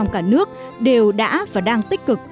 và nước đều đã và đang tích cực